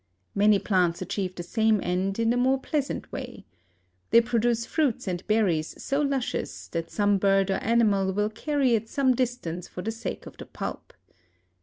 Many plants achieve the same end in a more pleasant way. They produce fruits and berries so luscious that some bird or animal will carry it some distance for the sake of the pulp.